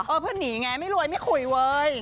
เพื่อนหนีไงไม่รวยไม่คุยเว้ย